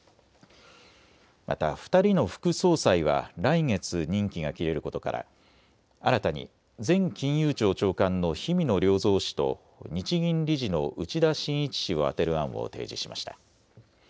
また２人の副総裁は来月、任期が切れることから新たに前金融庁長官の氷見野良三氏と日銀理事の内田眞一氏を充てる案を提示しました。